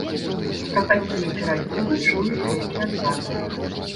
Пра такія перагібы чую толькі ад вас.